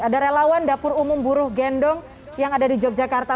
ada relawan dapur umum buruh gendong yang ada di yogyakarta